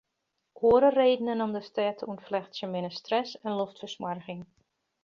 Oare redenen om de stêd te ûntflechtsjen binne stress en loftfersmoarging.